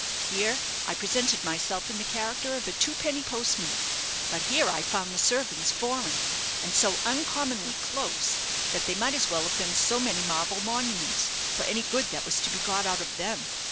Here I presented myself in the character of a twopenny postman; but here I found the servants foreign, and so uncommonly close that they might as well have been so many marble monuments, for any good that was to be got out of them.